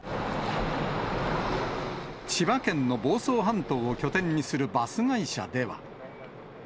千葉県の房総半島を拠点にするバス会社では。